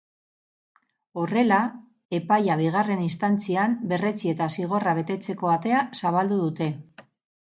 Horrela, epaia bigarren instantzian berretsi eta zigorra betetzeko atea zabaldu dute.